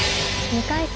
２回戦